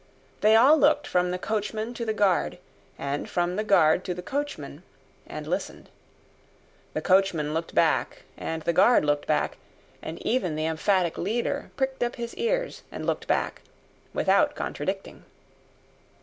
They all looked from the coachman to the guard, and from the guard to the coachman, and listened. The coachman looked back and the guard looked back, and even the emphatic leader pricked up his ears and looked back, without contradicting.